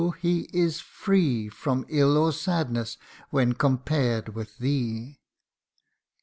he is free From ill or sadness, when compared with thee.